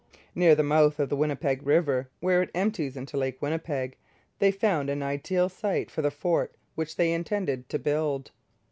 Near the mouth of the Winnipeg river, where it empties into Lake Winnipeg, they found an ideal site for the fort which they intended to build.